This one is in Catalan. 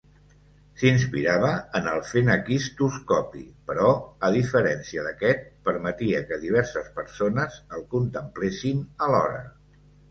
S'inspirava en el fenaquistoscopi però, a diferència d'aquest, permetia que diverses persones el contemplessin alhora.